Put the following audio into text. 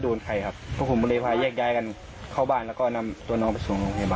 ยังไม่ได้ตอบเลยครับเขาต่อยก่อนเขาต่อยน้องแบ๊งก่อนครับ